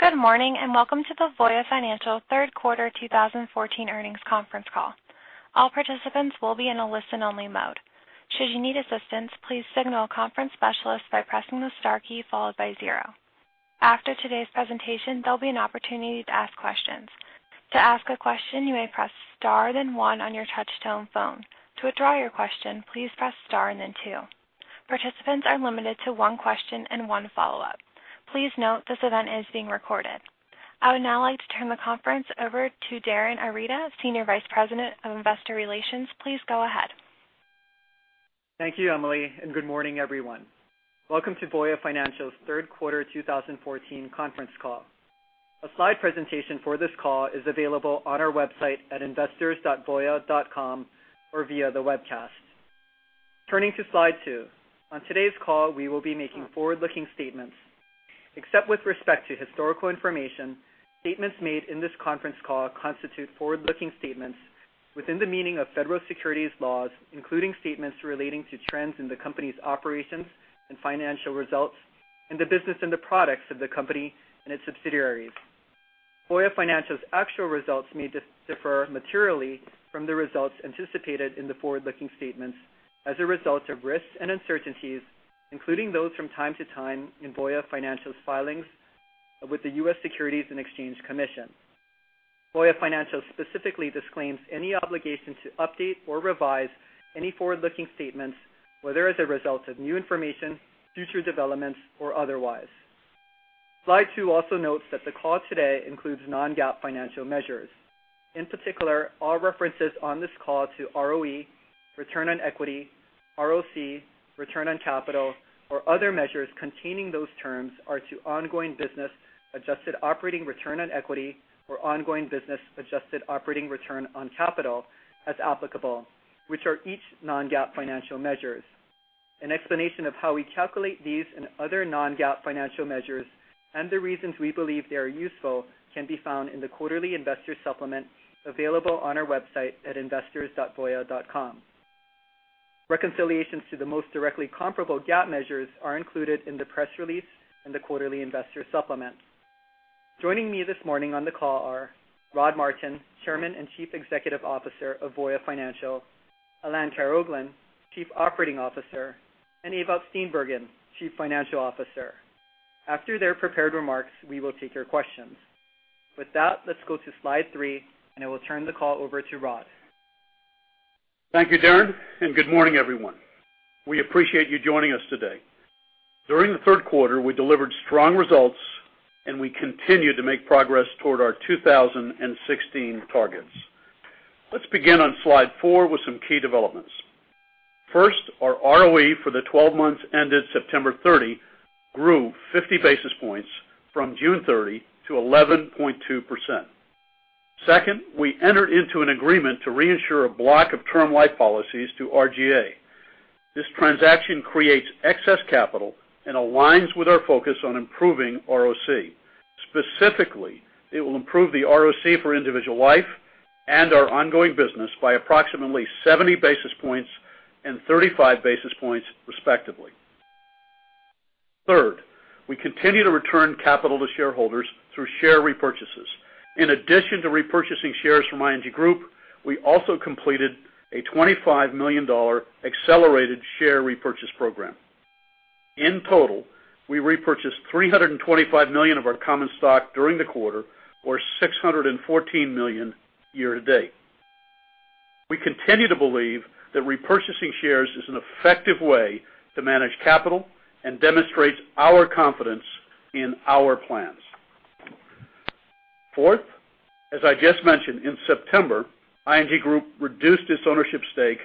Good morning, welcome to the Voya Financial third quarter 2014 earnings conference call. All participants will be in a listen-only mode. Should you need assistance, please signal a conference specialist by pressing the star key followed by zero. After today's presentation, there'll be an opportunity to ask questions. To ask a question, you may press star then one on your touch-tone phone. To withdraw your question, please press star then two. Participants are limited to one question and one follow-up. Please note this event is being recorded. I would now like to turn the conference over to Darin Arita, Senior Vice President of Investor Relations. Please go ahead. Thank you, Emily, good morning, everyone. Welcome to Voya Financial's third quarter 2014 conference call. A slide presentation for this call is available on our website at investors.voya.com or via the webcast. Turning to slide two. On today's call, we will be making forward-looking statements. Except with respect to historical information, statements made in this conference call constitute forward-looking statements within the meaning of Federal Securities laws, including statements relating to trends in the company's operations and financial results, the business and the products of the company and its subsidiaries. Voya Financial's actual results may differ materially from the results anticipated in the forward-looking statements as a result of risks and uncertainties, including those from time to time in Voya Financial's filings with the U.S. Securities and Exchange Commission. Voya Financial specifically disclaims any obligation to update or revise any forward-looking statements, whether as a result of new information, future developments, or otherwise. Slide two also notes that the call today includes non-GAAP financial measures. In particular, all references on this call to ROE, return on equity, ROC, return on capital, or other measures containing those terms are to ongoing business adjusted operating return on equity or ongoing business adjusted operating return on capital as applicable, which are each non-GAAP financial measures. An explanation of how we calculate these and other non-GAAP financial measures and the reasons we believe they are useful can be found in the quarterly investor supplement available on our website at investors.voya.com. Reconciliations to the most directly comparable GAAP measures are included in the press release and the quarterly investor supplement. Joining me this morning on the call are Rod Martin, Chairman and Chief Executive Officer of Voya Financial, Alain Karaoglan, Chief Operating Officer, Ewout Steenbergen, Chief Financial Officer. After their prepared remarks, we will take your questions. With that, let's go to slide three, I will turn the call over to Rod. Thank you, Darin, and good morning, everyone. We appreciate you joining us today. During the third quarter, we delivered strong results, and we continue to make progress toward our 2016 targets. Let's begin on slide four with some key developments. First, our ROE for the 12 months ended September 30 grew 50 basis points from June 30 to 11.2%. Second, we entered into an agreement to reinsure a block of term life policies to RGA. This transaction creates excess capital and aligns with our focus on improving ROC. Specifically, it will improve the ROC for individual life and our ongoing business by approximately 70 basis points and 35 basis points, respectively. Third, we continue to return capital to shareholders through share repurchases. In addition to repurchasing shares from ING Group, we also completed a $25 million accelerated share repurchase program. In total, we repurchased $325 million of our common stock during the quarter, or $614 million year to date. We continue to believe that repurchasing shares is an effective way to manage capital and demonstrates our confidence in our plans. Fourth, as I just mentioned, in September, ING Group reduced its ownership stake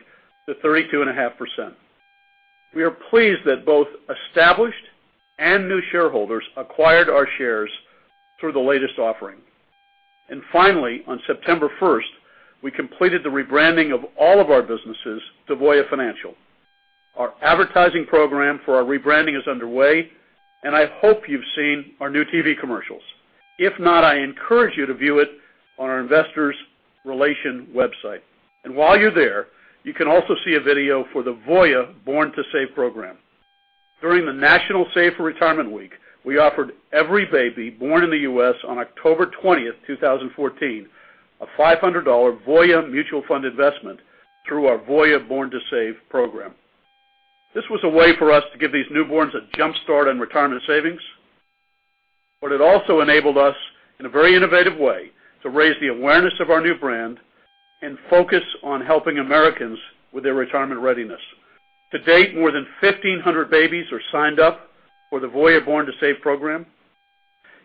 to 32.5%. We are pleased that both established and new shareholders acquired our shares through the latest offering. Finally, on September 1st, we completed the rebranding of all of our businesses to Voya Financial. Our advertising program for our rebranding is underway, and I hope you've seen our new TV commercials. If not, I encourage you to view it on our investor relations website. While you're there, you can also see a video for the Voya Born to Save program. During the National Save for Retirement Week, we offered every baby born in the U.S. on October 20th, 2014, a $500 Voya Mutual Fund investment through our Voya Born to Save program. This was a way for us to give these newborns a jumpstart on retirement savings, but it also enabled us, in a very innovative way, to raise the awareness of our new brand and focus on helping Americans with their retirement readiness. To date, more than 1,500 babies are signed up for the Voya Born to Save program,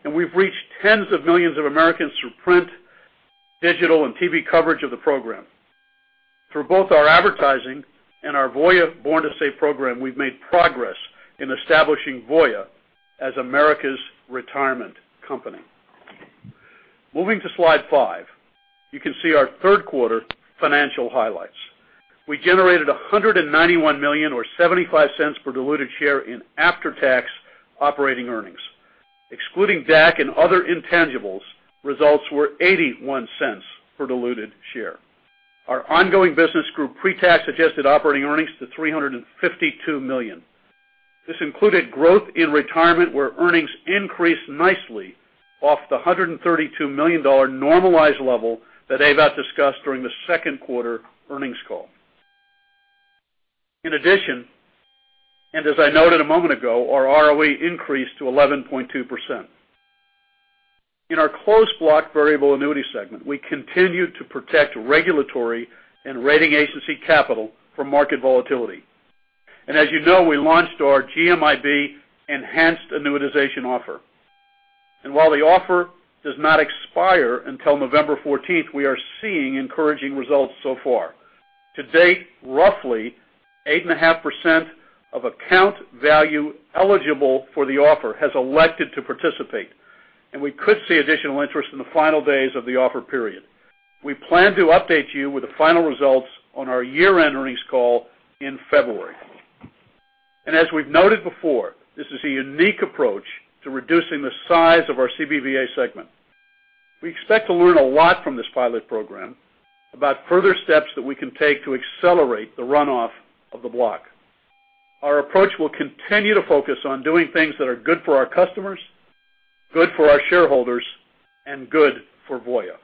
and we've reached tens of millions of Americans through print, digital, and TV coverage of the program. Through both our advertising and our Voya Born to Save program, we've made progress in establishing Voya as America's retirement company. Moving to slide five. You can see our third quarter financial highlights. We generated $191 million, or $0.75 per diluted share in after-tax operating earnings. Excluding DAC and other intangibles, results were $0.81 per diluted share. Our ongoing business grew pre-tax adjusted operating earnings to $352 million. This included growth in retirement, where earnings increased nicely off the $132 million normalized level that Ewout discussed during the second quarter earnings call. In addition, as I noted a moment ago, our ROE increased to 11.2%. In our closed block variable annuity segment, we continued to protect regulatory and rating agency capital from market volatility. As you know, we launched our GMIB enhanced annuitization offer. While the offer does not expire until November 14th, we are seeing encouraging results so far. To date, roughly 8.5% of account value eligible for the offer has elected to participate, and we could see additional interest in the final days of the offer period. We plan to update you with the final results on our year-end earnings call in February. As we've noted before, this is a unique approach to reducing the size of our CBVA segment. We expect to learn a lot from this pilot program about further steps that we can take to accelerate the runoff of the block. Our approach will continue to focus on doing things that are good for our customers, good for our shareholders, and good for Voya.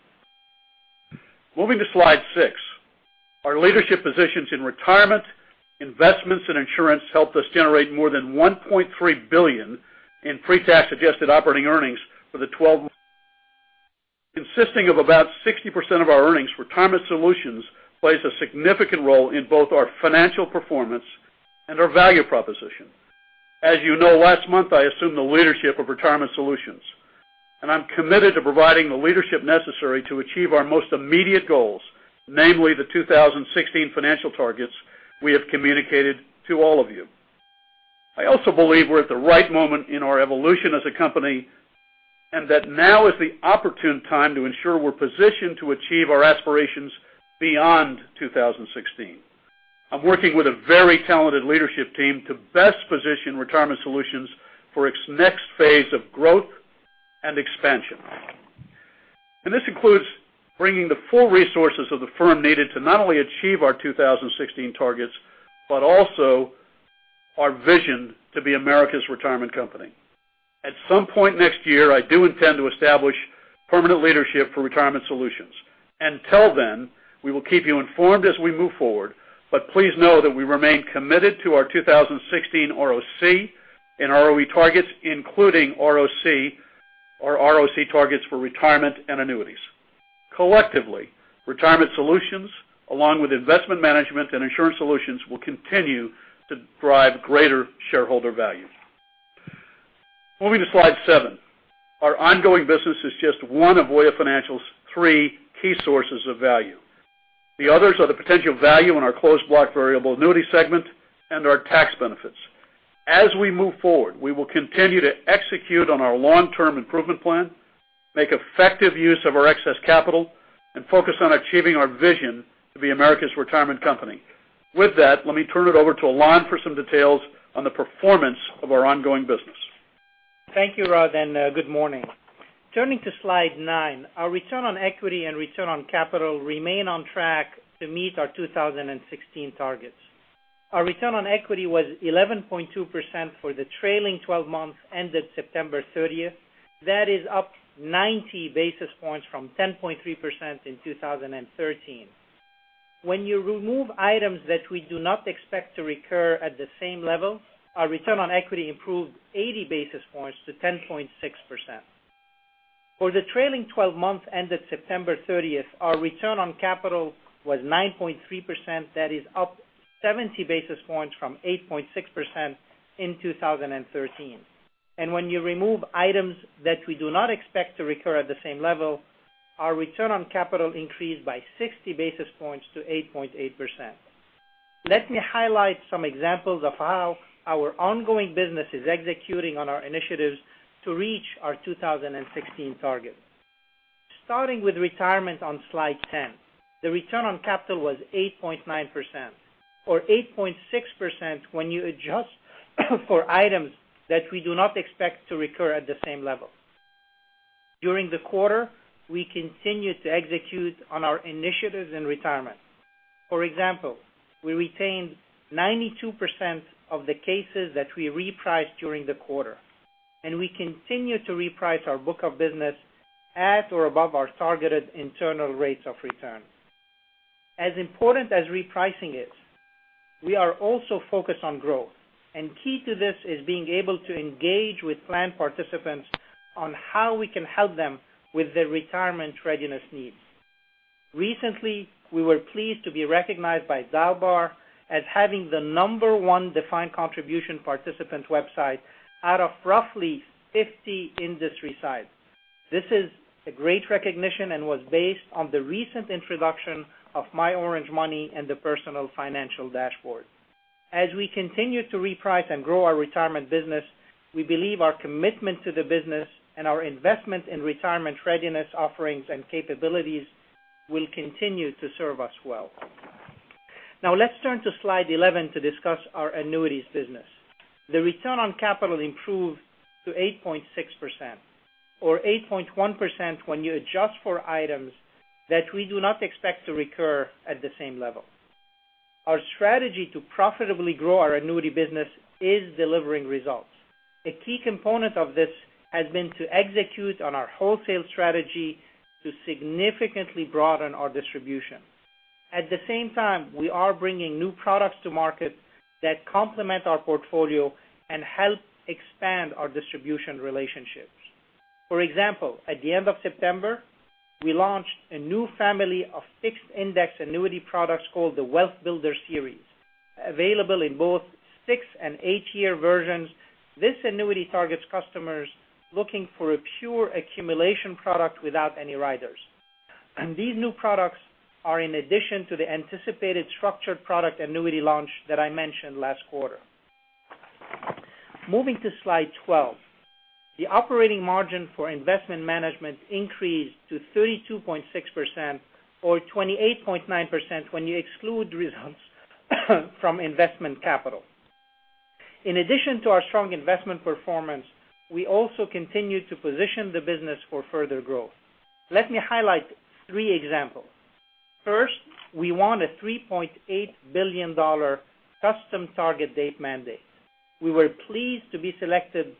Moving to slide six. Our leadership positions in Retirement, Investment Management, and Insurance Solutions helped us generate more than $1.3 billion in pre-tax adjusted operating earnings for the 12. Consisting of about 60% of our earnings, Retirement Solutions plays a significant role in both our financial performance and our value proposition. As you know, last month, I assumed the leadership of Retirement Solutions, and I'm committed to providing the leadership necessary to achieve our most immediate goals, namely the 2016 financial targets we have communicated to all of you. I also believe we're at the right moment in our evolution as a company, and that now is the opportune time to ensure we're positioned to achieve our aspirations beyond 2016. I'm working with a very talented leadership team to best position Retirement Solutions for its next phase of growth and expansion. This includes bringing the full resources of the firm needed to not only achieve our 2016 targets, but also our vision to be America's Retirement Company. At some point next year, I do intend to establish permanent leadership for Retirement Solutions. Until then, we will keep you informed as we move forward, but please know that we remain committed to our 2016 ROC and ROE targets, including our ROC targets for Retirement and Annuities. Collectively, Retirement Solutions, along with Investment Management and Insurance Solutions, will continue to drive greater shareholder value. Moving to slide seven. Our ongoing business is just one of Voya Financial's three key sources of value. The others are the potential value in our closed block variable annuity segment and our tax benefits. As we move forward, we will continue to execute on our long-term improvement plan, make effective use of our excess capital, and focus on achieving our vision to be America's Retirement Company. With that, let me turn it over to Alain for some details on the performance of our ongoing business. Thank you, Rod, and good morning. Turning to slide nine, our return on equity and return on capital remain on track to meet our 2016 targets. Our return on equity was 11.2% for the trailing 12 months ended September 30th. That is up 90 basis points from 10.3% in 2013. When you remove items that we do not expect to recur at the same level, our return on equity improved 80 basis points to 10.6%. For the trailing 12 months ended September 30th, our return on capital was 9.3%. That is up 70 basis points from 8.6% in 2013. When you remove items that we do not expect to recur at the same level, our return on capital increased by 60 basis points to 8.8%. Let me highlight some examples of how our ongoing business is executing on our initiatives to reach our 2016 targets. Starting with Retirement on slide 10, the return on capital was 8.9%, or 8.6% when you adjust for items that we do not expect to recur at the same level. During the quarter, we continued to execute on our initiatives in Retirement. For example, we retained 92% of the cases that we repriced during the quarter, and we continue to reprice our book of business at or above our targeted internal rates of return. As important as repricing is, we are also focused on growth, and key to this is being able to engage with plan participants on how we can help them with their retirement readiness needs. Recently, we were pleased to be recognized by Dalbar as having the number one defined contribution participant website out of roughly 50 industry sites. This is a great recognition and was based on the recent introduction of myOrangeMoney and the Personal Financial Dashboard. As we continue to reprice and grow our Retirement business, we believe our commitment to the business and our investment in retirement readiness offerings and capabilities will continue to serve us well. Now let's turn to slide 11 to discuss our annuities business. The return on capital improved to 8.6%, or 8.1% when you adjust for items that we do not expect to recur at the same level. Our strategy to profitably grow our annuity business is delivering results. A key component of this has been to execute on our wholesale strategy to significantly broaden our distribution. At the same time, we are bringing new products to market that complement our portfolio and help expand our distribution relationships. For example, at the end of September, we launched a new family of fixed index annuity products called the Wealth Builder Series. Available in both six and eight-year versions, this annuity targets customers looking for a pure accumulation product without any riders. These new products are in addition to the anticipated structured product annuity launch that I mentioned last quarter. Moving to slide 12. The operating margin for Investment Management increased to 32.6%, or 28.9% when you exclude results from investment capital. In addition to our strong investment performance, we also continue to position the business for further growth. Let me highlight three examples. First, we won a $3.8 billion custom target date mandate. We were pleased to be selected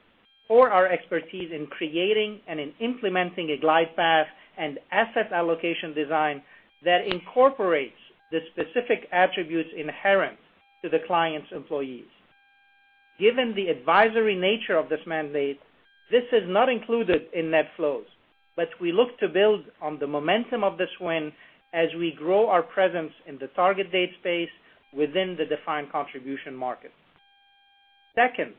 for our expertise in creating and in implementing a glide path and asset allocation design that incorporates the specific attributes inherent to the client's employees. Given the advisory nature of this mandate, this is not included in net flows, but we look to build on the momentum of this win as we grow our presence in the target date space within the defined contribution market. Second,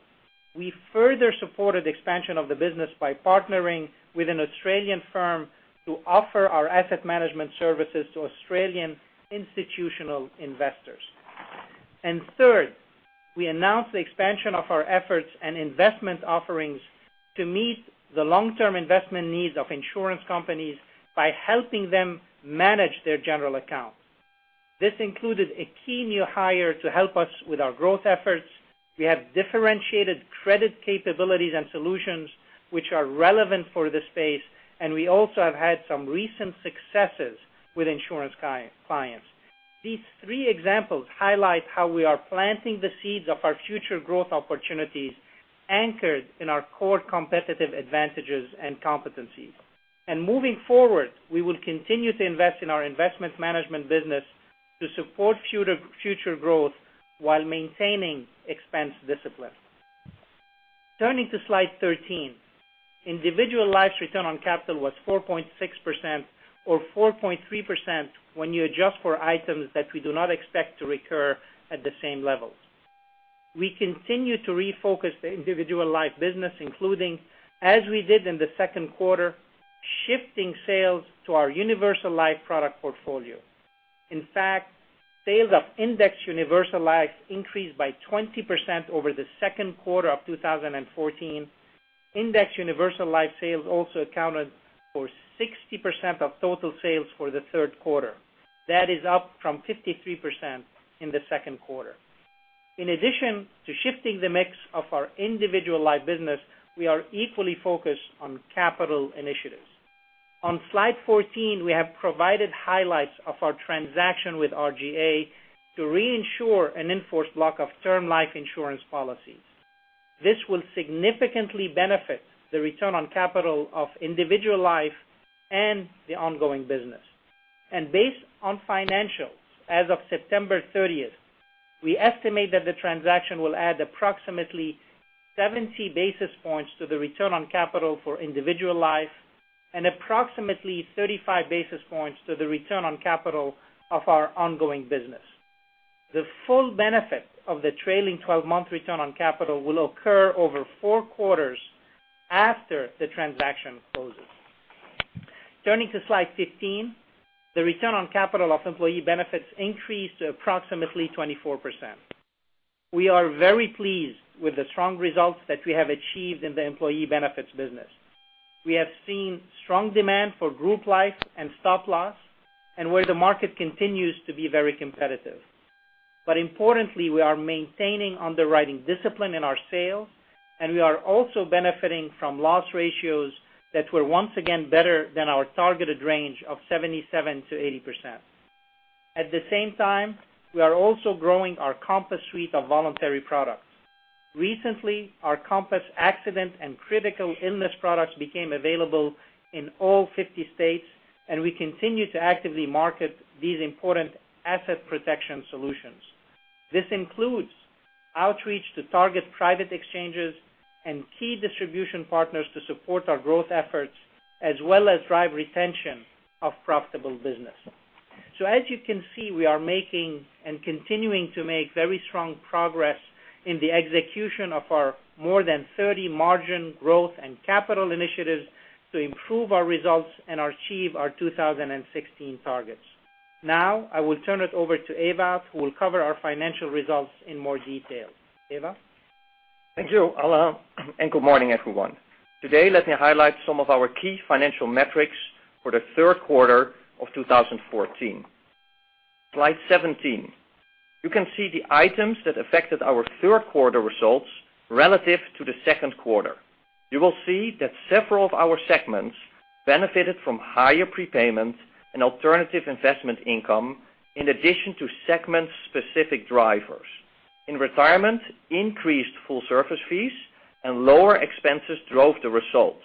we further supported expansion of the business by partnering with an Australian firm to offer our asset management services to Australian institutional investors. Third, we announced the expansion of our efforts and investment offerings to meet the long-term investment needs of insurance companies by helping them manage their general account. This included a key new hire to help us with our growth efforts. We have differentiated credit capabilities and solutions which are relevant for the space, and we also have had some recent successes with insurance clients. These three examples highlight how we are planting the seeds of our future growth opportunities anchored in our core competitive advantages and competencies. Moving forward, we will continue to invest in our Investment Management business to support future growth while maintaining expense discipline. Turning to slide 13. Individual life's return on capital was 4.6%, or 4.3% when you adjust for items that we do not expect to recur at the same levels. We continue to refocus the individual life business, including, as we did in the second quarter, shifting sales to our universal life product portfolio. In fact, sales of Index Universal Life increased by 20% over the second quarter of 2014. Index Universal Life sales also accounted for 60% of total sales for the third quarter. That is up from 53% in the second quarter. In addition to shifting the mix of our individual life business, we are equally focused on capital initiatives. On slide 14, we have provided highlights of our transaction with RGA to reinsure an in-force block of term life insurance policies. This will significantly benefit the return on capital of individual life and the ongoing business. Based on financials as of September 30th, we estimate that the transaction will add approximately 70 basis points to the return on capital for individual life and approximately 35 basis points to the return on capital of our ongoing business. The full benefit of the trailing 12-month return on capital will occur over four quarters after the transaction closes. Turning to slide 15. The return on capital of employee benefits increased to approximately 24%. We are very pleased with the strong results that we have achieved in the employee benefits business. We have seen strong demand for group life and stop loss, and where the market continues to be very competitive. Importantly, we are maintaining underwriting discipline in our sales, and we are also benefiting from loss ratios that were once again better than our targeted range of 77%-80%. At the same time, we are also growing our Compass suite of voluntary products. Recently, our Compass Accident and Critical Illness products became available in all 50 states, and we continue to actively market these important asset protection solutions. This includes outreach to target private exchanges and key distribution partners to support our growth efforts, as well as drive retention of profitable business. As you can see, we are making and continuing to make very strong progress in the execution of our more than 30 margin growth and capital initiatives to improve our results and achieve our 2016 targets. I will turn it over to Ewout, who will cover our financial results in more detail. Ewout? Thank you, Alain, and good morning, everyone. Today, let me highlight some of our key financial metrics for the third quarter of 2014. Slide 17. You can see the items that affected our third quarter results relative to the second quarter. You will see that several of our segments benefited from higher prepayment and alternative investment income, in addition to segment-specific drivers. In Retirement, increased full-service fees and lower expenses drove the results.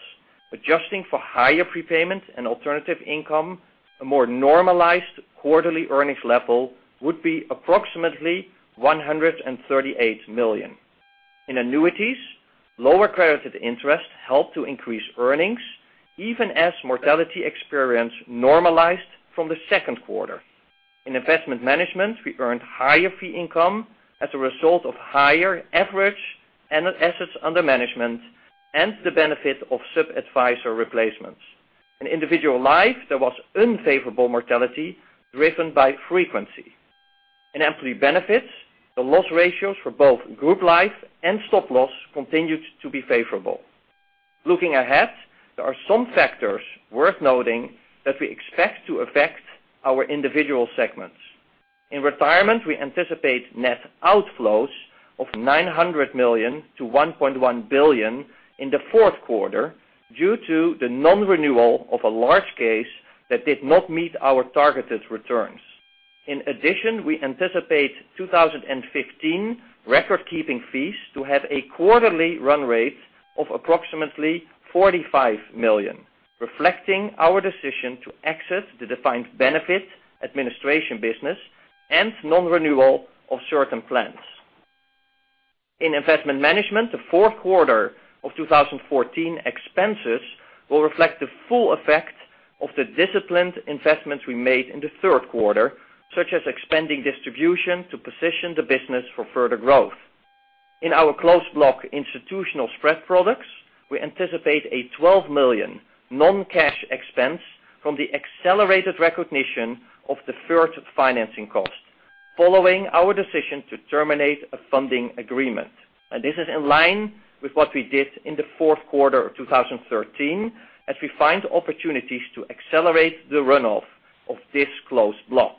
Adjusting for higher prepayment and alternative income, a more normalized quarterly earnings level would be approximately $138 million. In Annuities, lower credited interest helped to increase earnings, even as mortality experience normalized from the second quarter. In Investment Management, we earned higher fee income as a result of higher average assets under management and the benefit of sub-adviser replacements. In individual life, there was unfavorable mortality driven by frequency. In employee benefits, the loss ratios for both group life and Stop Loss continued to be favorable. Looking ahead, there are some factors worth noting that we expect to affect our individual segments. In Retirement, we anticipate net outflows of $900 million-$1.1 billion in the fourth quarter due to the non-renewal of a large case that did not meet our targeted returns. In addition, we anticipate 2015 record-keeping fees to have a quarterly run rate of approximately $45 million, reflecting our decision to exit the defined benefit administration business and non-renewal of certain plans. In Investment Management, the fourth quarter of 2014 expenses will reflect the full effect of the disciplined investments we made in the third quarter, such as expanding distribution to position the business for further growth. In our closed block institutional spread products, we anticipate a $12 million non-cash expense from the accelerated recognition of deferred financing costs following our decision to terminate a funding agreement. This is in line with what we did in the fourth quarter of 2013, as we find opportunities to accelerate the runoff of this closed block.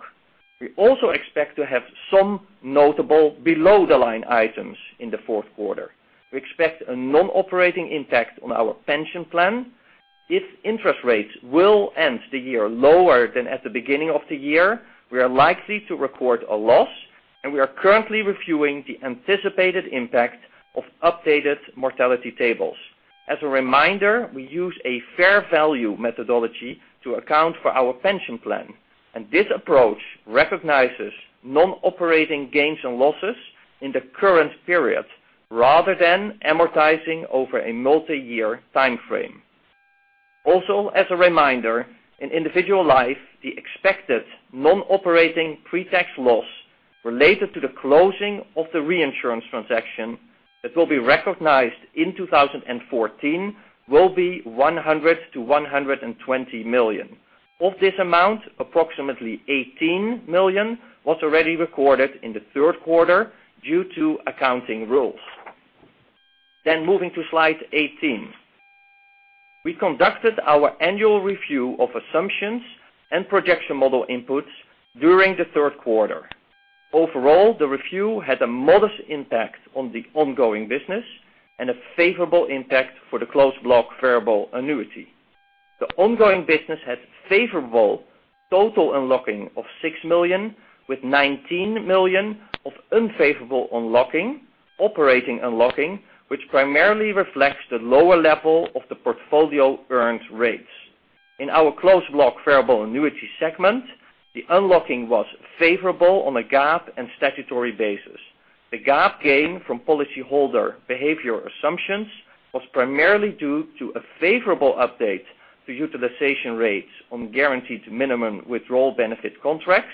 We also expect to have some notable below-the-line items in the fourth quarter. We expect a non-operating impact on our pension plan. If interest rates will end the year lower than at the beginning of the year, we are likely to record a loss, and we are currently reviewing the anticipated impact of updated mortality tables. As a reminder, we use a fair value methodology to account for our pension plan, and this approach recognizes non-operating gains and losses in the current period rather than amortizing over a multi-year timeframe. As a reminder, in individual life, the expected non-operating pre-tax loss related to the closing of the reinsurance transaction that will be recognized in 2014 will be $100 million-$120 million. Of this amount, approximately $18 million was already recorded in the third quarter due to accounting rules. Moving to slide 18. We conducted our annual review of assumptions and projection model inputs during the third quarter. Overall, the review had a modest impact on the ongoing business and a favorable impact for the closed block variable annuity. The ongoing business had favorable total unlocking of $6 million, with $19 million of unfavorable unlocking, operating unlocking, which primarily reflects the lower level of the portfolio earned rates. In our closed block variable annuity segment, the unlocking was favorable on a GAAP and statutory basis. The GAAP gain from policyholder behavior assumptions was primarily due to a favorable update to utilization rates on guaranteed minimum withdrawal benefit contracts,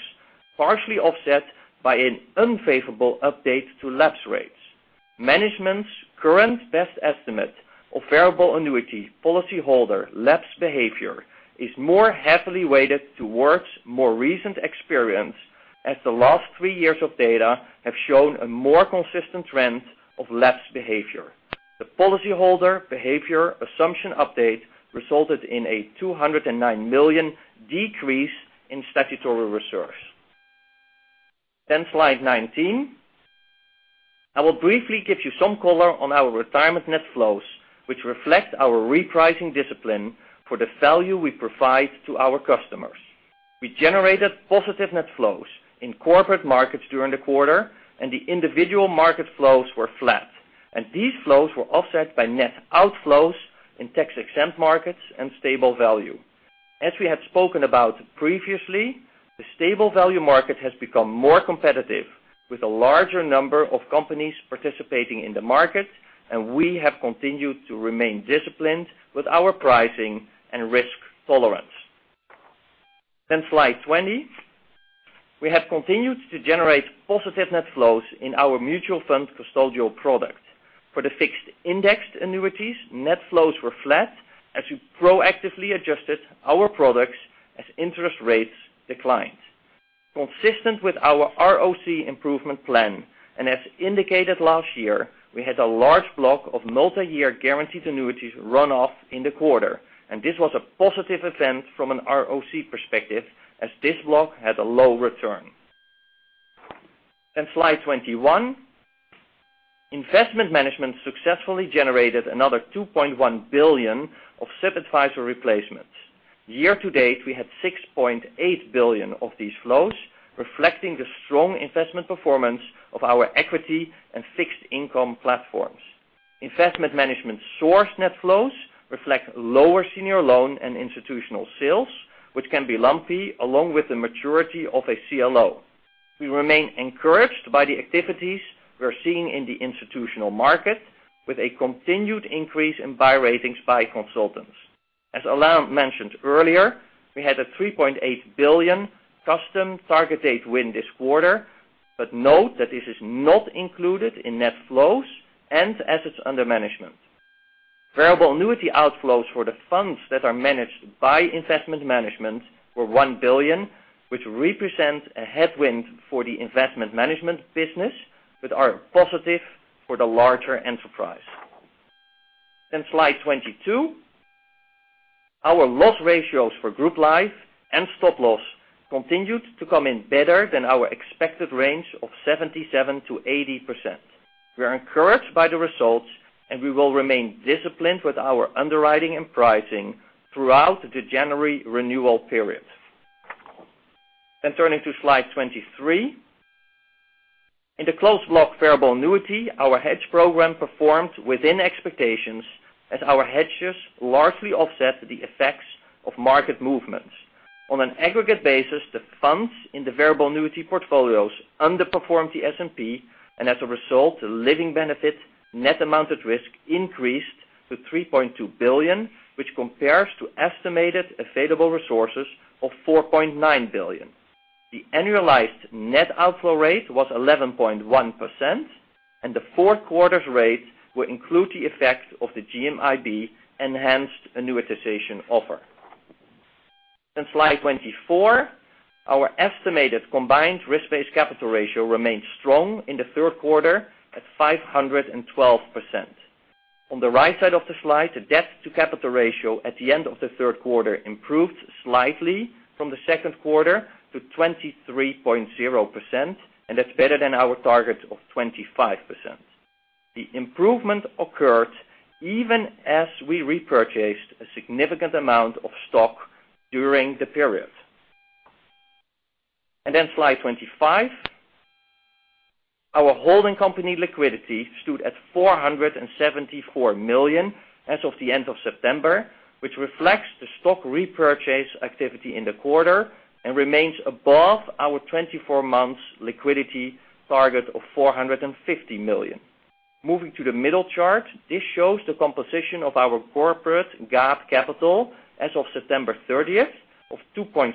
partially offset by an unfavorable update to lapse rates. Management's current best estimate of variable annuity policyholder lapse behavior is more heavily weighted towards more recent experience, as the last three years of data have shown a more consistent trend of lapse behavior. The policyholder behavior assumption update resulted in a $209 million decrease in statutory reserves. Slide 19. I will briefly give you some color on our Retirement net flows, which reflect our repricing discipline for the value we provide to our customers. We generated positive net flows in corporate markets during the quarter. The individual market flows were flat. These flows were offset by net outflows in tax-exempt markets and stable value. As we had spoken about previously, the stable value market has become more competitive with a larger number of companies participating in the market. We have continued to remain disciplined with our pricing and risk tolerance. Slide 20. We have continued to generate positive net flows in our mutual fund custodial product. For the fixed indexed annuities, net flows were flat as we proactively adjusted our products as interest rates declined. Consistent with our ROC improvement plan, as indicated last year, we had a large block of Multi-Year Guaranteed Annuities run off in the quarter. This was a positive event from an ROC perspective as this block had a low return. Slide 21. Investment Management successfully generated another $2.1 billion of separate advisory replacements. Year-to-date, we had $6.8 billion of these flows, reflecting the strong investment performance of our equity and fixed income platforms. Investment Management source net flows reflect lower senior loan and institutional sales, which can be lumpy along with the maturity of a CLO. We remain encouraged by the activities we're seeing in the institutional market with a continued increase in buy ratings by consultants. As Alain mentioned earlier, we had a $3.8 billion custom target date win this quarter, but note that this is not included in net flows and assets under management. Variable annuity outflows for the funds that are managed by Investment Management were $1 billion, which represents a headwind for the Investment Management business, but are positive for the larger enterprise. Slide 22. Our loss ratios for group life and Stop Loss continued to come in better than our expected range of 77%-80%. We are encouraged by the results. We will remain disciplined with our underwriting and pricing throughout the January renewal period. Turning to slide 23. In the closed block variable annuity, our hedge program performed within expectations as our hedges largely offset the effects of market movements. On an aggregate basis, the funds in the variable annuity portfolios underperformed the S&P, and as a result, the living benefit net amount at risk increased to $3.2 billion, which compares to estimated available resources of $4.9 billion. The annualized net outflow rate was 11.1%, and the fourth quarter's rate will include the effect of the GMIB enhanced annuitization offer. Slide 24. Our estimated combined risk-based capital ratio remained strong in the third quarter at 512%. On the right side of the slide, the debt-to-capital ratio at the end of the third quarter improved slightly from the second quarter to 23.0%, and that's better than our target of 25%. The improvement occurred even as we repurchased a significant amount of stock during the period. Slide 25. Our holding company liquidity stood at $474 million as of the end of September, which reflects the stock repurchase activity in the quarter and remains above our 24 months liquidity target of $450 million. Moving to the middle chart, this shows the composition of our corporate GAAP capital as of September 30th of $2.7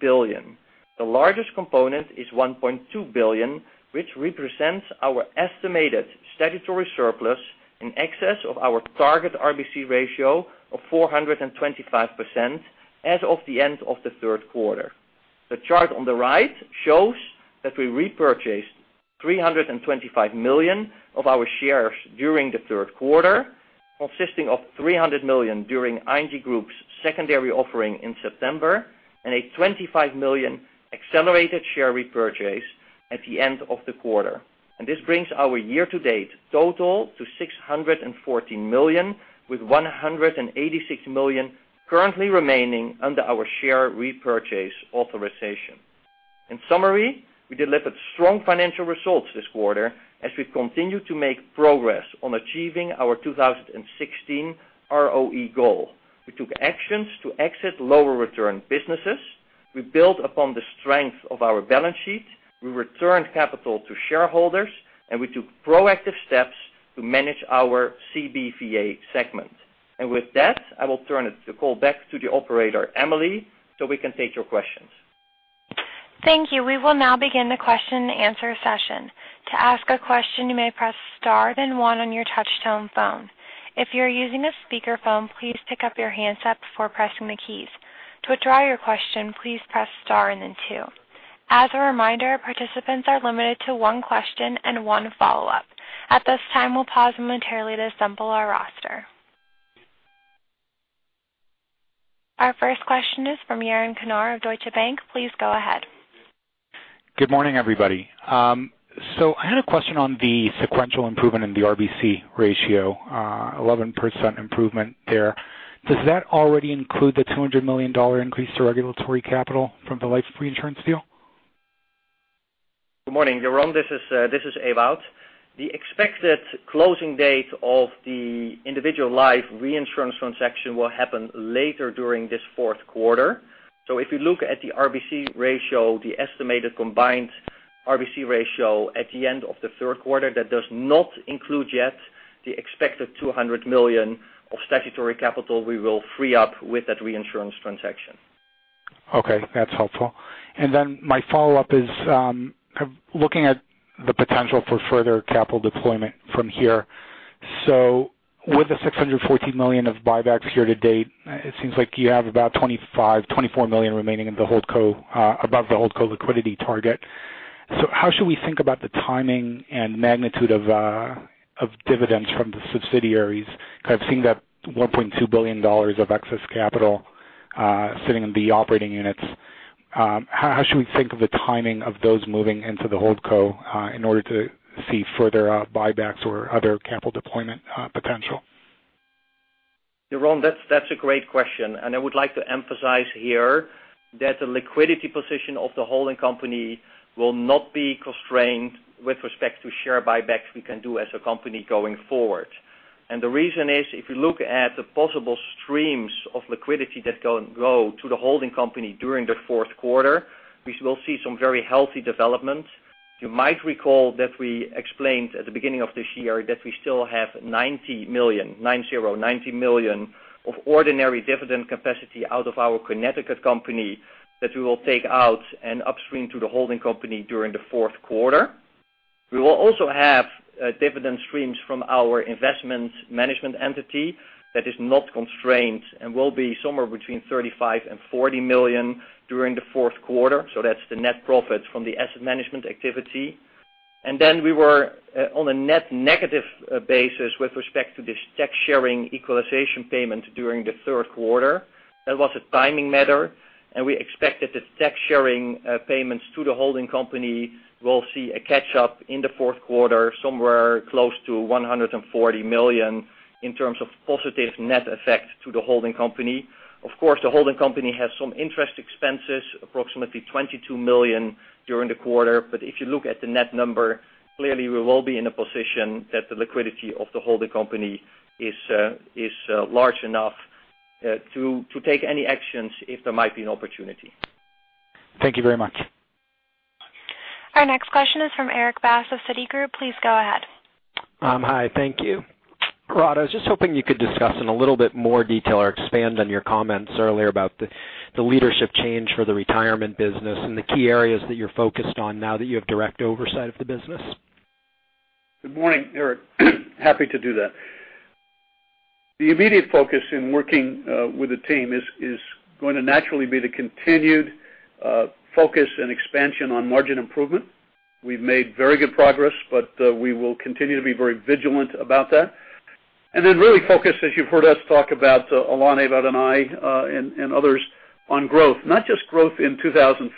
billion. The largest component is $1.2 billion, which represents our estimated statutory surplus in excess of our target RBC ratio of 425% as of the end of the third quarter. The chart on the right shows that we repurchased $325 million of our shares during the third quarter, consisting of $300 million during ING Group's secondary offering in September and a $25 million accelerated share repurchase at the end of the quarter. This brings our year-to-date total to $614 million, with $186 million currently remaining under our share repurchase authorization. In summary, we delivered strong financial results this quarter as we continue to make progress on achieving our 2016 ROE goal. We took actions to exit lower return businesses. We built upon the strength of our balance sheet. We returned capital to shareholders, and we took proactive steps to manage our CBVA segment. With that, I will turn the call back to the operator, Emily, so we can take your questions. Thank you. We will now begin the question and answer session. To ask a question, you may press star, then one on your touchtone phone. If you're using a speakerphone, please pick up your handset before pressing the keys. To withdraw your question, please press star and then two. As a reminder, participants are limited to one question and one follow-up. At this time, we'll pause momentarily to assemble our roster. Our first question is from Yaron Kinar of Deutsche Bank. Please go ahead. Good morning, everybody. I had a question on the sequential improvement in the RBC ratio, 11% improvement there. Does that already include the $200 million increase to regulatory capital from the life reinsurance deal? Good morning, Yaron. This is Ewout. The expected closing date of the individual life reinsurance transaction will happen later during this fourth quarter. If you look at the RBC ratio, the estimated combined RBC ratio at the end of the third quarter, that does not include yet the expected $200 million of statutory capital we will free up with that reinsurance transaction. Okay, that's helpful. My follow-up is looking at the potential for further capital deployment from here. With the $614 million of buybacks year-to-date, it seems like you have about $24 million remaining above the holdco liquidity target. How should we think about the timing and magnitude of dividends from the subsidiaries? Because I've seen that $1.2 billion of excess capital sitting in the operating units. How should we think of the timing of those moving into the holdco in order to see further buybacks or other capital deployment potential? Yeah, Rod, that's a great question. I would like to emphasize here that the liquidity position of the holding company will not be constrained with respect to share buybacks we can do as a company going forward. The reason is, if you look at the possible streams of liquidity that go to the holding company during the fourth quarter, we will see some very healthy developments. You might recall that we explained at the beginning of this year that we still have $90 million, nine zero, $90 million of ordinary dividend capacity out of our Connecticut company that we will take out and upstream to the holding company during the fourth quarter. We will also have dividend streams from our Investment Management entity that is not constrained and will be somewhere between $35 million-$40 million during the fourth quarter. That's the net profit from the asset management activity. We were on a net negative basis with respect to this tax-sharing equalization payment during the third quarter. That was a timing matter, and we expect that the tax-sharing payments to the holding company will see a catch-up in the fourth quarter, somewhere close to $140 million in terms of positive net effect to the holding company. Of course, the holding company has some interest expenses, approximately $22 million during the quarter. If you look at the net number, clearly we will be in a position that the liquidity of the holding company is large enough to take any actions if there might be an opportunity. Thank you very much. Our next question is from Erik Bass of Citigroup. Please go ahead. Hi. Thank you. Rod, I was just hoping you could discuss in a little bit more detail or expand on your comments earlier about the leadership change for the retirement business and the key areas that you're focused on now that you have direct oversight of the business. Good morning, Erik. Happy to do that. The immediate focus in working with the team is going to naturally be the continued focus and expansion on margin improvement. We've made very good progress, but we will continue to be very vigilant about that. Really focus, as you've heard us talk about, Alain, Ewout and I, and others on growth. Not just growth in 2015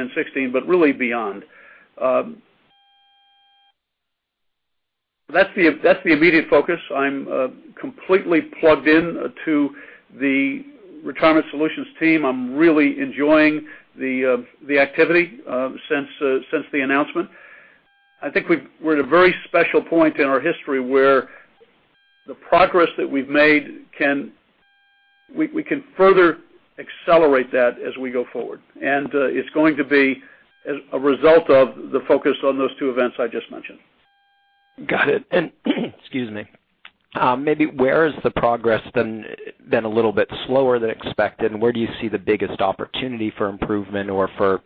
and 2016, but really beyond. That's the immediate focus. I'm completely plugged into the Retirement Solutions team. I'm really enjoying the activity since the announcement. I think we're at a very special point in our history where the progress that we've made, we can further accelerate that as we go forward. It's going to be a result of the focus on those two events I just mentioned. Got it. Maybe where has the progress been a little bit slower than expected? Where do you see the biggest opportunity for improvement or for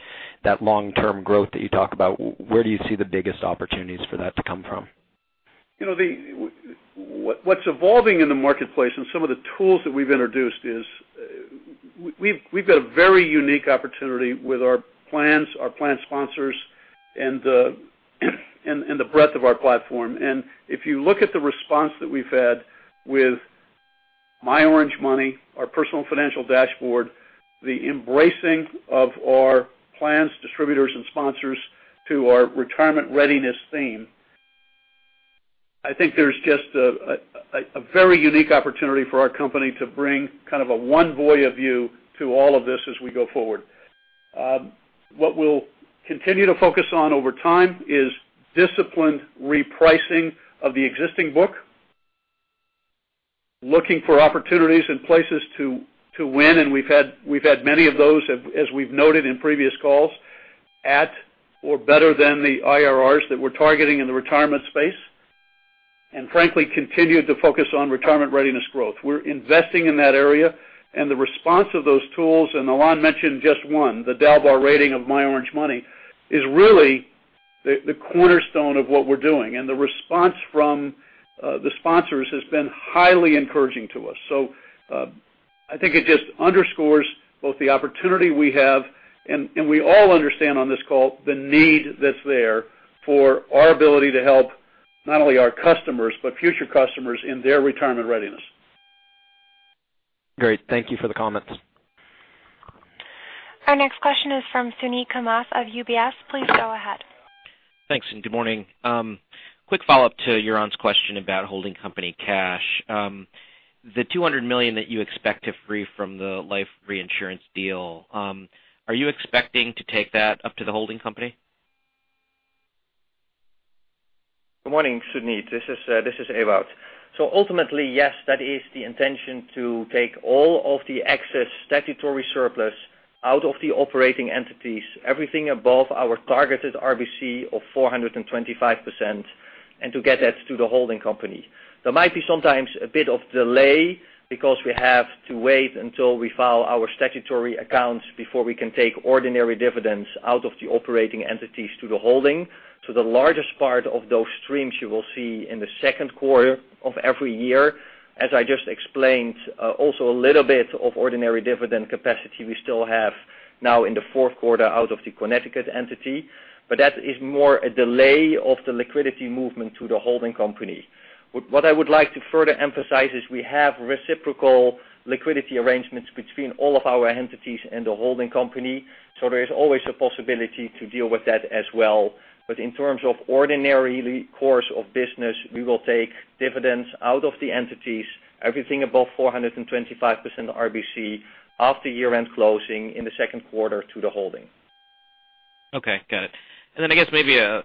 that long-term growth that you talk about? Where do you see the biggest opportunities for that to come from? What's evolving in the marketplace and some of the tools that we've introduced is we've got a very unique opportunity with our plans, our plan sponsors, and the breadth of our platform. If you look at the response that we've had with myOrangeMoney, our Personal Financial Dashboard, the embracing of our plans, distributors, and sponsors to our retirement readiness theme, I think there's just a very unique opportunity for our company to bring kind of a one Voya view to all of this as we go forward. What we'll continue to focus on over time is disciplined repricing of the existing book, looking for opportunities and places to win, and we've had many of those, as we've noted in previous calls, at or better than the IRRs that we're targeting in the retirement space. Frankly, continue to focus on retirement readiness growth. We're investing in that area and the response of those tools, and Alain mentioned just one, the Dalbar rating of myOrangeMoney, is really the cornerstone of what we're doing. The response from the sponsors has been highly encouraging to us. I think it just underscores both the opportunity we have, and we all understand on this call the need that's there for our ability to help not only our customers but future customers in their retirement readiness. Great. Thank you for the comments. Our next question is from Suneet Kamath of UBS. Please go ahead. Thanks. Good morning. Quick follow-up to Yaron's question about holding company cash. The $200 million that you expect to free from the life reinsurance deal, are you expecting to take that up to the holding company? Good morning, Suneet. This is Ewout. Ultimately, yes, that is the intention to take all of the excess statutory surplus out of the operating entities, everything above our targeted RBC of 425%, and to get that to the holding company. There might be sometimes a bit of delay because we have to wait until we file our statutory accounts before we can take ordinary dividends out of the operating entities to the holding. The largest part of those streams you will see in the second quarter of every year. As I just explained, also a little bit of ordinary dividend capacity we still have now in the fourth quarter out of the Connecticut entity. That is more a delay of the liquidity movement to the holding company. What I would like to further emphasize is we have reciprocal liquidity arrangements between all of our entities and the holding company. There is always a possibility to deal with that as well. In terms of ordinary course of business, we will take dividends out of the entities, everything above 425% RBC after year-end closing in the second quarter to the holding. Okay. Got it. Then, I guess maybe a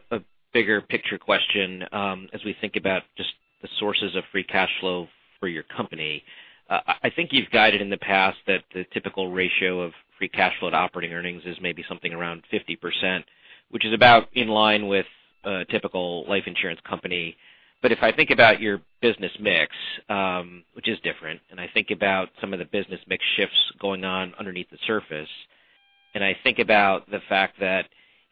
bigger picture question. As we think about just the sources of free cash flow for your company, I think you've guided in the past that the typical ratio of free cash flow to operating earnings is maybe something around 50%, which is about in line with a typical life insurance company. If I think about your business mix, which is different, and I think about some of the business mix shifts going on underneath the surface, and I think about the fact that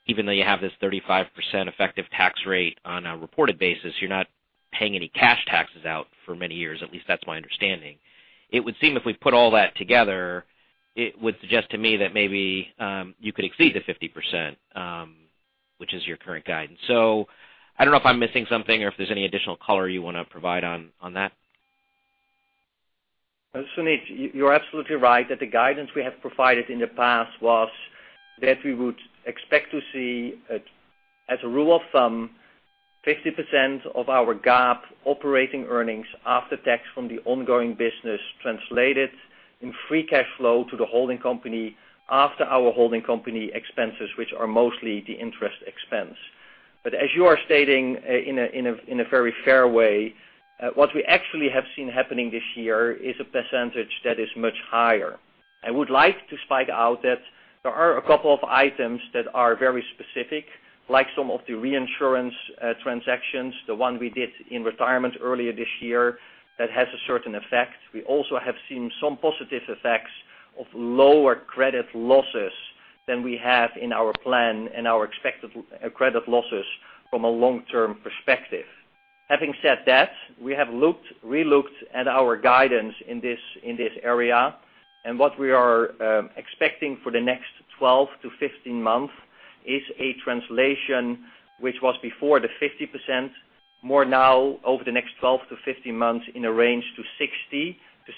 even though you have this 35% effective tax rate on a reported basis, you're not paying any cash taxes out for many years. At least that's my understanding. It would seem if we put all that together, it would suggest to me that maybe you could exceed the 50%, which is your current guidance. I don't know if I'm missing something or if there's any additional color you want to provide on that. Suneet, you're absolutely right that the guidance we have provided in the past was that we would expect to see, as a rule of thumb, 50% of our GAAP operating earnings after tax from the ongoing business translated in free cash flow to the holding company after our holding company expenses, which are mostly the interest expense. As you are stating in a very fair way, what we actually have seen happening this year is a percentage that is much higher. I would like to spike out that there are a couple of items that are very specific, like some of the reinsurance transactions, the one we did in retirement earlier this year, that has a certain effect. We also have seen some positive effects of lower credit losses than we have in our plan and our expected credit losses from a long-term perspective. Having said that, we have relooked at our guidance in this area, what we are expecting for the next 12-15 months is a translation which was before the 50% more now over the next 12-15 months in a range to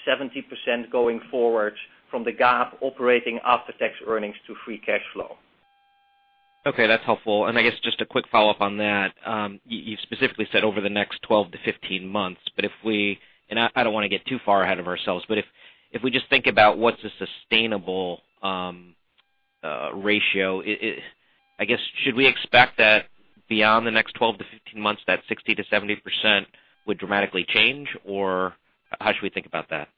60%-70% going forward from the GAAP operating after-tax earnings to free cash flow. Okay, that's helpful. I guess just a quick follow-up on that. You specifically said over the next 12-15 months. I don't want to get too far ahead of ourselves, but if we just think about what's a sustainable ratio, I guess, should we expect that beyond the next 12-15 months, that 60%-70% would dramatically change, or how should we think about that?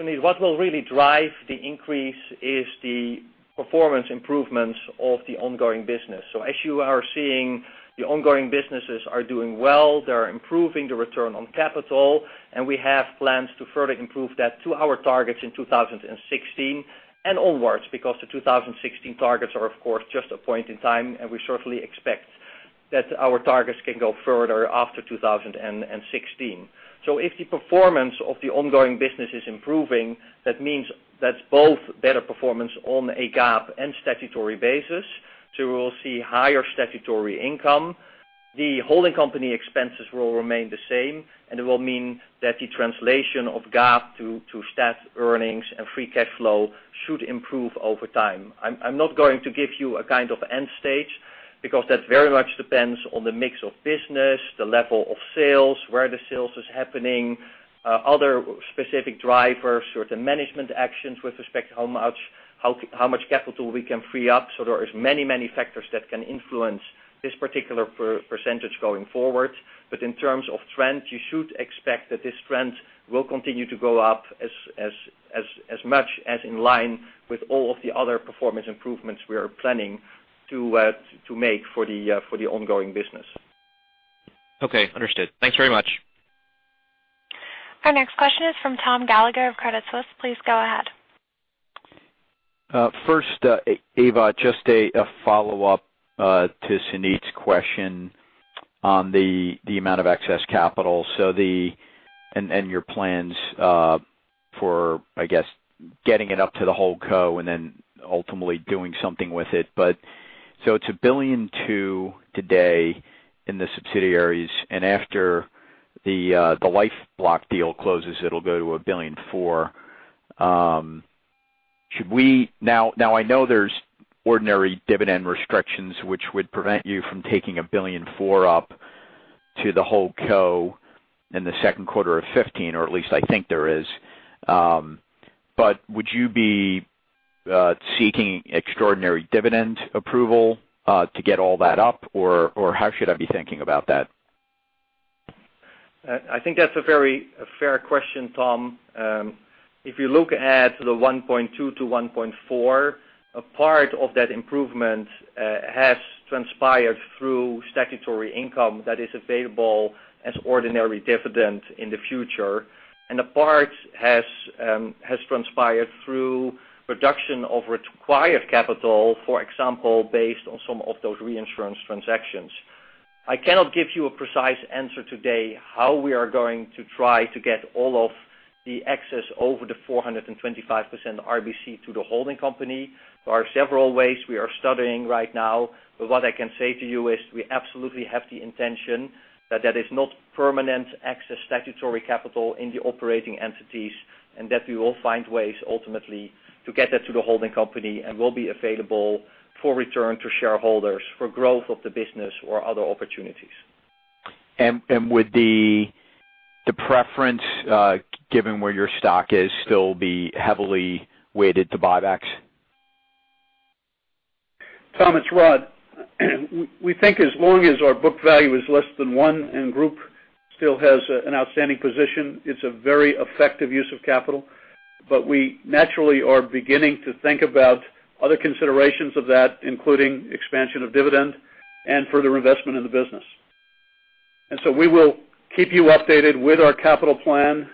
Suneet, what will really drive the increase is the performance improvements of the ongoing business. As you are seeing, the ongoing businesses are doing well. They are improving the return on capital, we have plans to further improve that to our targets in 2016 and onwards, the 2016 targets are, of course, just a point in time, we certainly expect that our targets can go further after 2016. If the performance of the ongoing business is improving, that means that's both better performance on a GAAP and statutory basis. We will see higher statutory income. The holding company expenses will remain the same, it will mean that the translation of GAAP to stat earnings and free cash flow should improve over time. I'm not going to give you a kind of end stage that very much depends on the mix of business, the level of sales, where the sales is happening, other specific drivers, certain management actions with respect to how much capital we can free up. There is many factors that can influence this particular percentage going forward. In terms of trend, you should expect that this trend will continue to go up as much as in line with all of the other performance improvements we are planning to make for the ongoing business. Okay, understood. Thanks very much. Our next question is from Tom Gallagher of Credit Suisse. Please go ahead. First, Ewout, just a follow-up to Suneet's question on the amount of excess capital. Your plans for, I guess, getting it up to the whole co and then ultimately doing something with it. It's $1.2 billion today in the subsidiaries, and after the life block deal closes, it'll go to $1.4 billion. I know there's ordinary dividend restrictions which would prevent you from taking $1.4 billion up to the whole co in the second quarter of 2015, or at least I think there is. Would you be seeking extraordinary dividend approval to get all that up, or how should I be thinking about that? I think that's a very fair question, Tom. If you look at the $1.2-$1.4, a part of that improvement has transpired through statutory income that is available as ordinary dividend in the future, and a part has transpired through reduction of required capital, for example, based on some of those reinsurance transactions. I cannot give you a precise answer today how we are going to try to get all of the excess over the 425% RBC to the holding company. There are several ways we are studying right now, what I can say to you is we absolutely have the intention that that is not permanent excess statutory capital in the operating entities, and that we will find ways ultimately to get that to the holding company and will be available for return to shareholders for growth of the business or other opportunities. Would the preference, given where your stock is, still be heavily weighted to buybacks? Tom, it's Rod. We think as long as our book value is less than one and group still has an outstanding position, it's a very effective use of capital. We naturally are beginning to think about other considerations of that, including expansion of dividend and further investment in the business. We will keep you updated with our capital plan,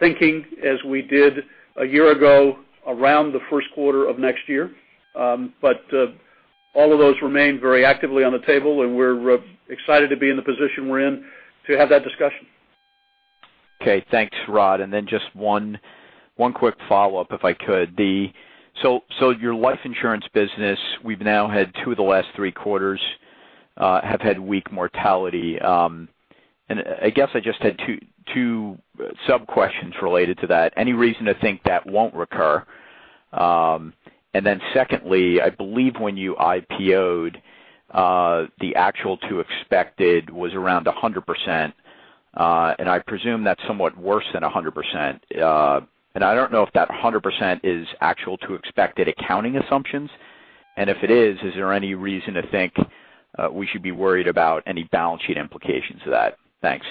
thinking as we did a year ago, around the first quarter of next year. All of those remain very actively on the table and we're excited to be in the position we're in to have that discussion. Okay, thanks Rod. Just one quick follow-up if I could. Your life insurance business, we've now had two of the last three quarters have had weak mortality. I guess I just had two sub-questions related to that. Any reason to think that won't recur? Secondly, I believe when you IPO'd, the actual to expected was around 100%, and I presume that's somewhat worse than 100%. I don't know if that 100% is actual to expected accounting assumptions, and if it is there any reason to think we should be worried about any balance sheet implications of that? Thanks.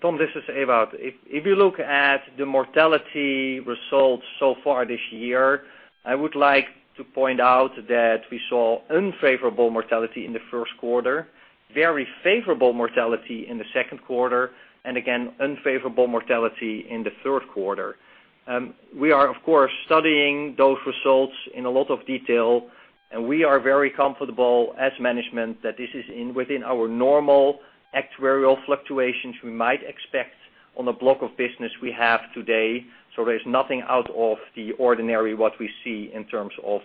Tom, this is Ewout. If you look at the mortality results so far this year, I would like to point out that we saw unfavorable mortality in the first quarter, very favorable mortality in the second quarter, and again, unfavorable mortality in the third quarter. We are, of course, studying those results in a lot of detail, and we are very comfortable as management that this is within our normal actuarial fluctuations we might expect on the block of business we have today. There's nothing out of the ordinary what we see in terms of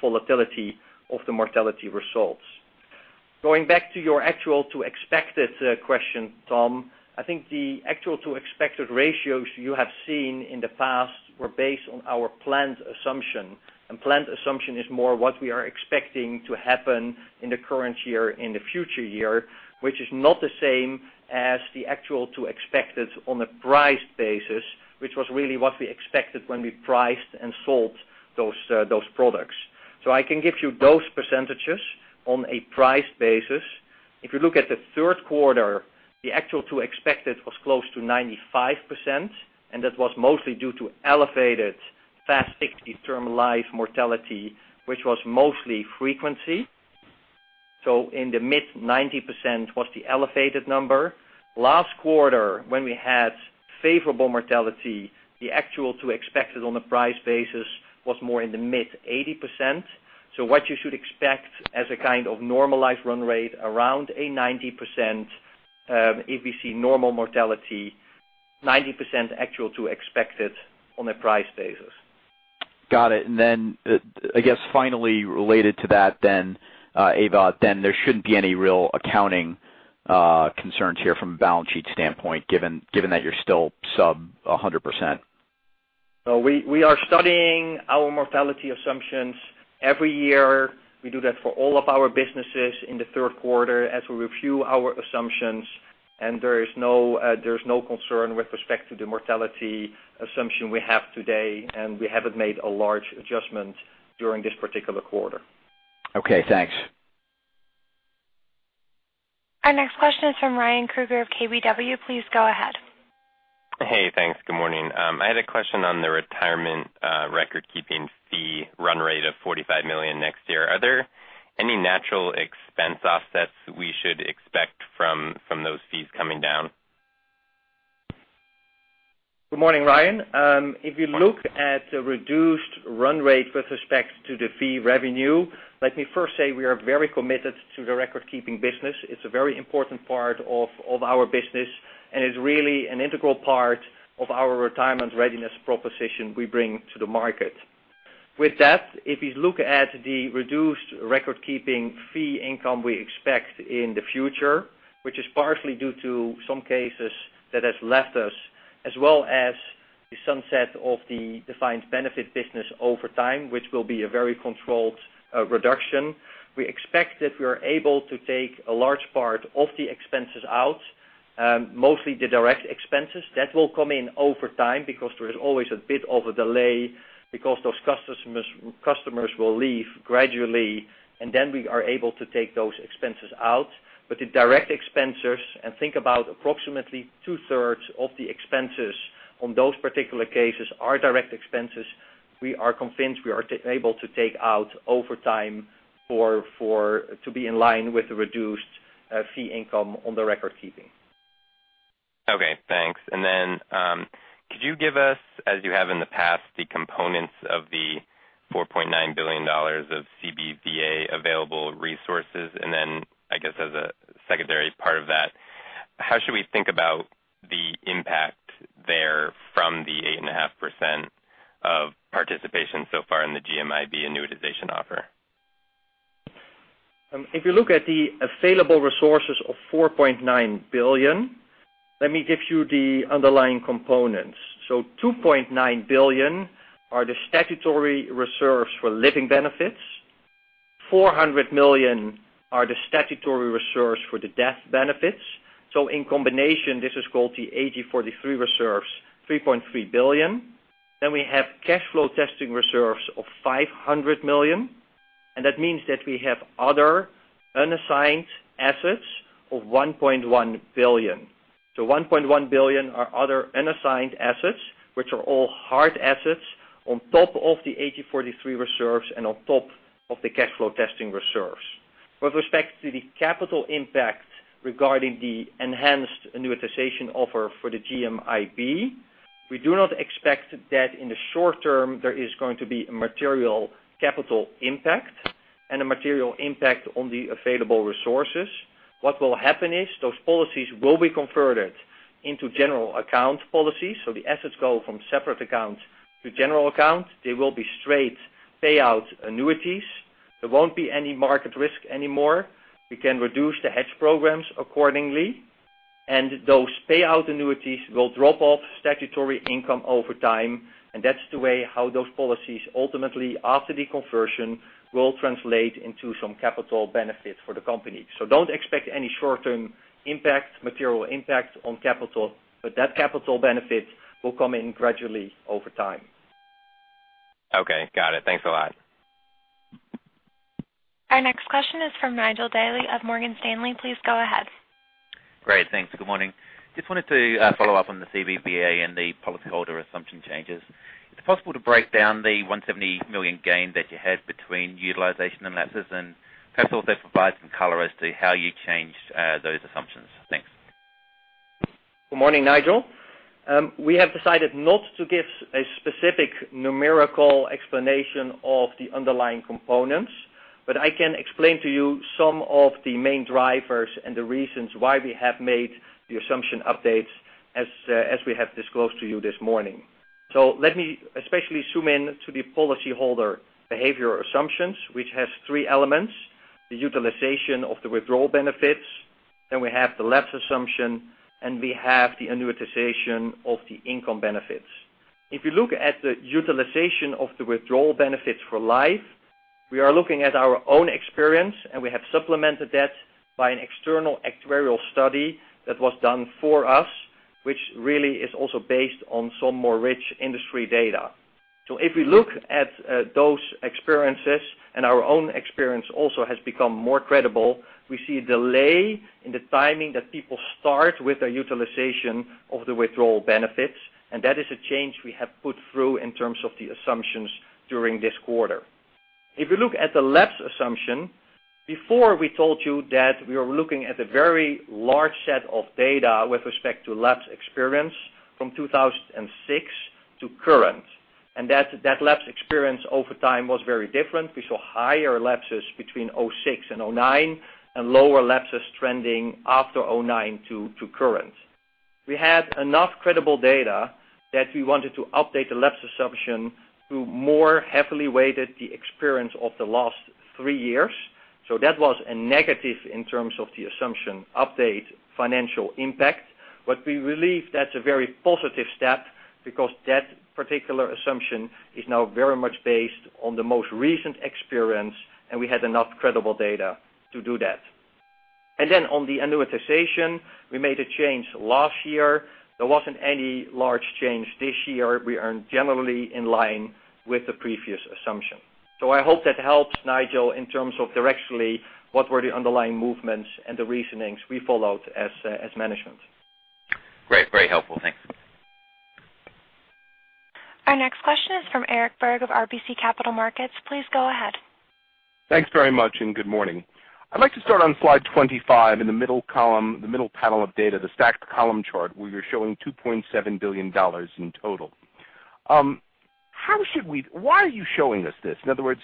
volatility of the mortality results. Going back to your actual to expected question, Tom, I think the actual to expected ratios you have seen in the past were based on our planned assumption. Planned assumption is more what we are expecting to happen in the current year, in the future year, which is not the same as the actual to expected on a price basis, which was really what we expected when we priced and sold those products. I can give you those percentages on a price basis. If you look at the third quarter, the actual to expected was close to 95%, and that was mostly due to elevated FAS 60 term life mortality, which was mostly frequency. In the mid-90% was the elevated number. Last quarter, when we had favorable mortality, the actual to expected on the price basis was more in the mid-80%. What you should expect as a kind of normalized run rate around a 90%, if we see normal mortality, 90% actual to expected on a price basis. Got it. I guess finally related to that, Ewout, there shouldn't be any real accounting concerns here from a balance sheet standpoint, given that you're still sub 100%. We are studying our mortality assumptions every year. We do that for all of our businesses in the third quarter as we review our assumptions. There is no concern with respect to the mortality assumption we have today, and we haven't made a large adjustment during this particular quarter. Okay, thanks. Our next question is from Ryan Krueger of KBW. Please go ahead. Hey, thanks. Good morning. I had a question on the retirement recordkeeping fee run rate of $45 million next year. Are there any natural expense offsets we should expect from those fees coming down? Good morning, Ryan. If you look at the reduced run rate with respect to the fee revenue, let me first say we are very committed to the recordkeeping business. It's a very important part of our business, and it's really an integral part of our retirement readiness proposition we bring to the market. With that, if you look at the reduced recordkeeping fee income we expect in the future, which is partially due to some cases that has left us, as well as the sunset of the defined benefit business over time, which will be a very controlled reduction. We expect that we are able to take a large part of the expenses out, mostly the direct expenses. That will come in over time because there is always a bit of a delay because those customers will leave gradually, and then we are able to take those expenses out. The direct expenses, think about approximately two-thirds of the expenses on those particular cases are direct expenses. We are convinced we are able to take out over time to be in line with the reduced fee income on the recordkeeping. Okay, thanks. Could you give us, as you have in the past, the components of the $4.9 billion of CBVA available resources? I guess as a secondary part of that, how should we think about the impact there from the 8.5% of participation so far in the GMIB annuitization offer? If you look at the available resources of $4.9 billion, let me give you the underlying components. $2.9 billion are the statutory reserves for living benefits. $400 million are the statutory reserves for the death benefits. In combination, this is called the AG43 reserves, $3.3 billion. We have cash flow testing reserves of $500 million, and that means that we have other unassigned assets of $1.1 billion. $1.1 billion are other unassigned assets, which are all hard assets, on top of the AG43 reserves and on top of the cash flow testing reserves. With respect to the capital impact regarding the enhanced annuitization offer for the GMIB, we do not expect that in the short term, there is going to be a material capital impact and a material impact on the available resources. What will happen is, those policies will be converted into general account policies, so the assets go from separate accounts to general accounts. They will be straight payout annuities. There won't be any market risk anymore. We can reduce the hedge programs accordingly. Those payout annuities will drop off statutory income over time, and that's the way how those policies, ultimately, after the conversion, will translate into some capital benefits for the company. Don't expect any short-term impact, material impact on capital, but that capital benefit will come in gradually over time. Okay, got it. Thanks a lot. Our next question is from Nigel Dally of Morgan Stanley. Please go ahead. Great. Thanks. Good morning. Just wanted to follow up on the CBVA and the policyholder assumption changes. Is it possible to break down the $170 million gain that you had between utilization and lapses, and perhaps also provide some color as to how you changed those assumptions. Thanks. Good morning, Nigel. We have decided not to give a specific numerical explanation of the underlying components, but I can explain to you some of the main drivers and the reasons why we have made the assumption updates as we have disclosed to you this morning. Let me especially zoom in to the policyholder behavior assumptions, which has three elements: the utilization of the withdrawal benefits, we have the lapse assumption, and we have the annuitization of the income benefits. If you look at the utilization of the withdrawal benefits for life, we are looking at our own experience, and we have supplemented that by an external actuarial study that was done for us, which really is also based on some more rich industry data. If we look at those experiences, our own experience also has become more credible, we see a delay in the timing that people start with their utilization of the withdrawal benefits, that is a change we have put through in terms of the assumptions during this quarter. If you look at the lapse assumption, before we told you that we are looking at a very large set of data with respect to lapse experience from 2006 to current, that lapse experience over time was very different. We saw higher lapses between 2006 and 2009, and lower lapses trending after 2009 to current. We had enough credible data that we wanted to update the lapse assumption to more heavily weighted the experience of the last three years. That was a negative in terms of the assumption update financial impact. We believe that's a very positive step because that particular assumption is now very much based on the most recent experience, we had enough credible data to do that. On the annuitization, we made a change last year. There wasn't any large change this year. We are generally in line with the previous assumption. I hope that helps, Nigel, in terms of directionally what were the underlying movements and the reasonings we followed as management. Great. Very helpful. Thanks. Our next question is from Eric Berg of RBC Capital Markets. Please go ahead. Thanks very much, good morning. I'd like to start on slide 25 in the middle column, the middle panel of data, the stacked column chart, where you're showing $2.7 billion in total. Why are you showing us this? In other words,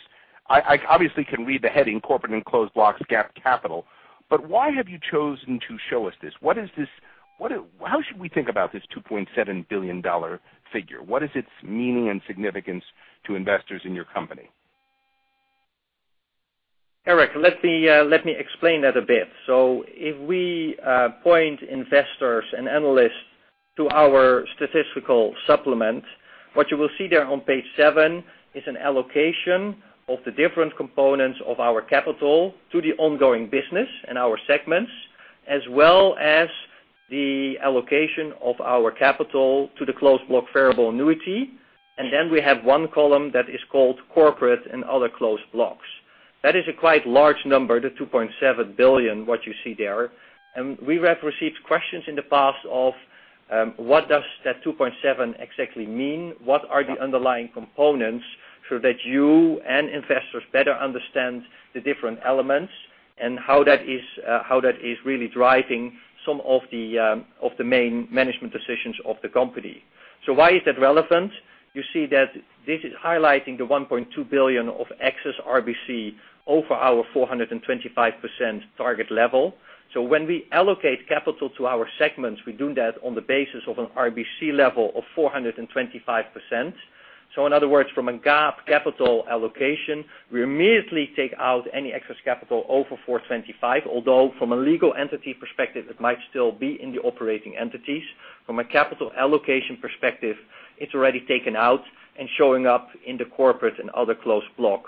I obviously can read the heading, corporate and closed blocks GAAP capital. Why have you chosen to show us this? How should we think about this $2.7 billion figure? What is its meaning and significance to investors in your company? Eric, let me explain that a bit. If we point investors and analysts to our statistical supplement, what you will see there on page seven is an allocation of the different components of our capital to the ongoing business and our segments, as well as the allocation of our capital to the closed block variable annuity. We have one column that is called corporate and other closed blocks. That is a quite large number, the $2.7 billion, what you see there. We have received questions in the past of what does that $2.7 exactly mean? What are the underlying components so that you and investors better understand the different elements How that is really driving some of the main management decisions of the company. Why is that relevant? You see that this is highlighting the $1.2 billion of excess RBC over our 425% target level. When we allocate capital to our segments, we do that on the basis of an RBC level of 425%. In other words, from a GAAP capital allocation, we immediately take out any excess capital over 425% although from a legal entity perspective, it might still be in the operating entities. From a capital allocation perspective, it's already taken out and showing up in the corporate and other closed block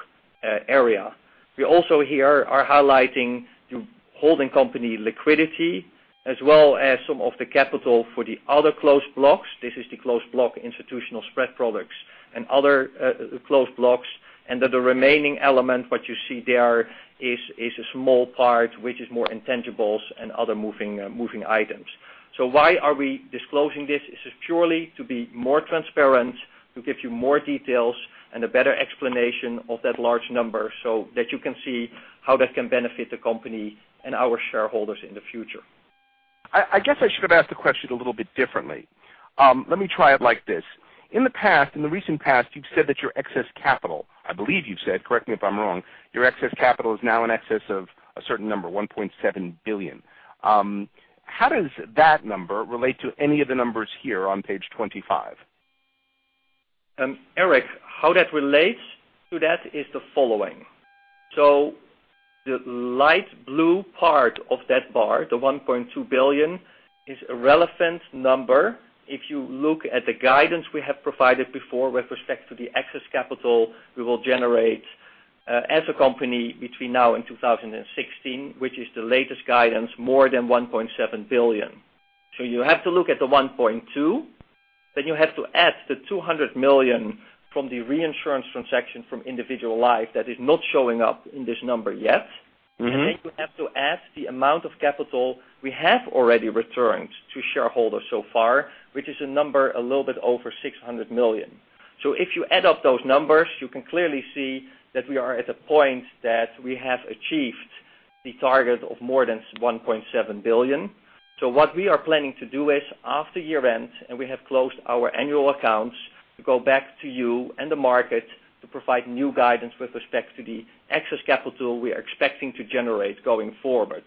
area. We also here are highlighting the holding company liquidity as well as some of the capital for the other closed blocks. This is the closed block institutional spread products and other closed blocks. The remaining element, what you see there is a small part which is more intangibles and other moving items. Why are we disclosing this? This is purely to be more transparent, to give you more details and a better explanation of that large number so that you can see how that can benefit the company and our shareholders in the future. I guess I should have asked the question a little bit differently. Let me try it like this. In the past, in the recent past, you've said that your excess capital, I believe you've said, correct me if I'm wrong, your excess capital is now in excess of a certain number, $1.7 billion. How does that number relate to any of the numbers here on page 25? Eric, how that relates to that is the following. The light blue part of that bar, the $1.2 billion, is a relevant number. If you look at the guidance we have provided before with respect to the excess capital we will generate as a company between now and 2016, which is the latest guidance, more than $1.7 billion. You have to look at the $1.2, you have to add the $200 million from the reinsurance transaction from individual life that is not showing up in this number yet. You have to add the amount of capital we have already returned to shareholders so far, which is a number a little bit over $600 million. If you add up those numbers, you can clearly see that we are at a point that we have achieved the target of more than $1.7 billion. What we are planning to do is after year-end, and we have closed our annual accounts, to go back to you and the market to provide new guidance with respect to the excess capital we are expecting to generate going forward.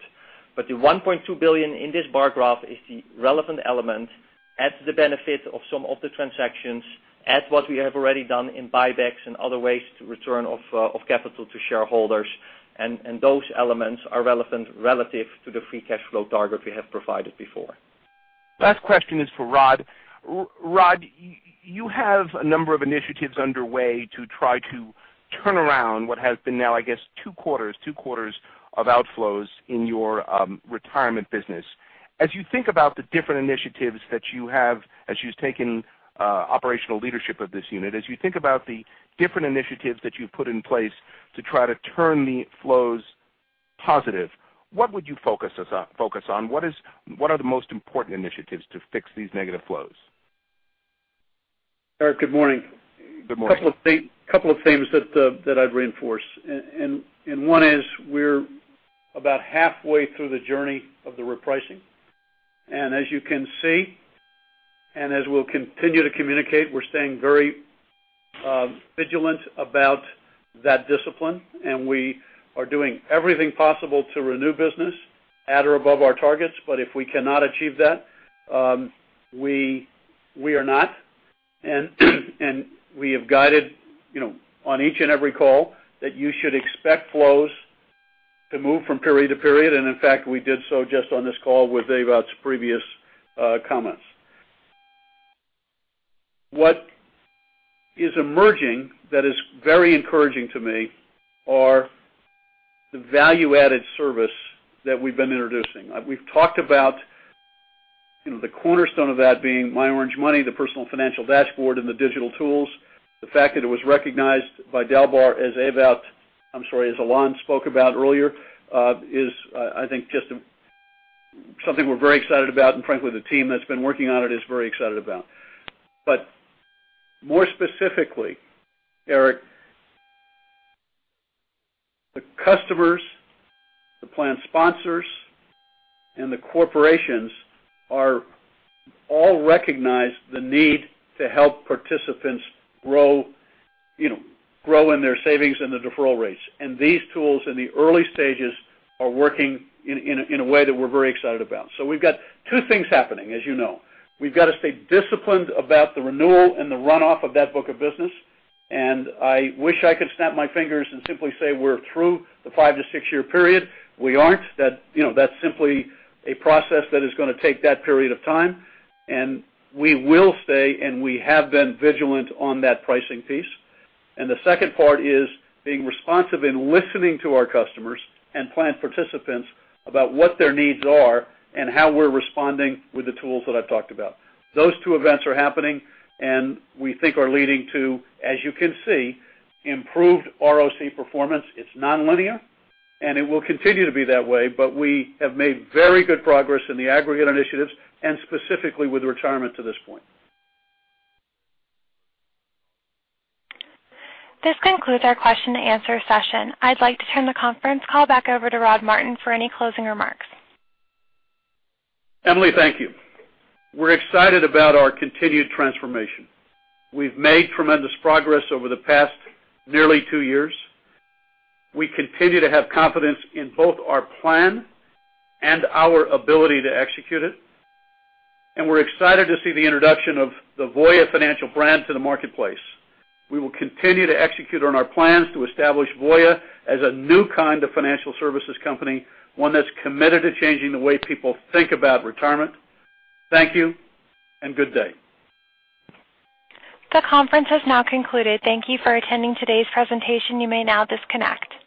The $1.2 billion in this bar graph is the relevant element. Add the benefit of some of the transactions, add what we have already done in buybacks and other ways to return of capital to shareholders, those elements are relevant relative to the free cash flow target we have provided before. Last question is for Rod. Rod, you have a number of initiatives underway to try to turn around what has been now, I guess, two quarters of outflows in your retirement business. As you think about the different initiatives that you have, as you've taken operational leadership of this unit, as you think about the different initiatives that you've put in place to try to turn the flows positive, what would you focus on? What are the most important initiatives to fix these negative flows? Eric, good morning. Good morning. One is we're about halfway through the journey of the repricing. As you can see, as we'll continue to communicate, we're staying very vigilant about that discipline, and we are doing everything possible to renew business at or above our targets. If we cannot achieve that, we are not. We have guided on each and every call that you should expect flows to move from period to period. In fact, we did so just on this call with Ewout's previous comments. What is emerging that is very encouraging to me are the value-added service that we've been introducing. We've talked about the cornerstone of that being myOrangeMoney, the Personal Financial Dashboard, and the digital tools. The fact that it was recognized by Dalbar as Ewout, I'm sorry, as Alain spoke about earlier, is I think just something we're very excited about, and frankly, the team that's been working on it is very excited about. More specifically, Eric, the customers, the plan sponsors, and the corporations all recognize the need to help participants grow in their savings and the deferral rates. These tools in the early stages are working in a way that we're very excited about. We've got two things happening, as you know. We've got to stay disciplined about the renewal and the runoff of that book of business. I wish I could snap my fingers and simply say we're through the five to six-year period. We aren't. That's simply a process that is going to take that period of time. We have been vigilant on that pricing piece. The second part is being responsive in listening to our customers and plan participants about what their needs are and how we're responding with the tools that I've talked about. Those two events are happening and we think are leading to, as you can see, improved ROC performance. It's nonlinear, and it will continue to be that way. We have made very good progress in the aggregate initiatives and specifically with retirement to this point. This concludes our question and answer session. I'd like to turn the conference call back over to Rod Martin for any closing remarks. Emily, thank you. We're excited about our continued transformation. We've made tremendous progress over the past nearly two years. We continue to have confidence in both our plan and our ability to execute it. We're excited to see the introduction of the Voya Financial brand to the marketplace. We will continue to execute on our plans to establish Voya as a new kind of financial services company, one that's committed to changing the way people think about retirement. Thank you and good day. The conference has now concluded. Thank you for attending today's presentation. You may now disconnect.